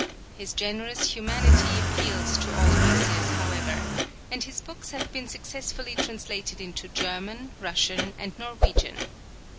His generous humanity appeals to all races, however, and his books have been successfully translated into German, Russian, and Norwegian.